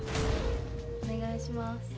おねがいします。